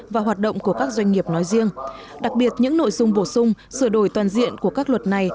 và hoạt động của các doanh nghiệp nói riêng đặc biệt những nội dung bổ sung sửa đổi toàn diện của các luật này